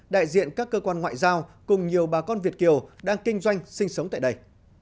đại diện các cơ quan ngoại giao cùng nhiều bà con việt kiều đang kinh doanh sinh sống tại đây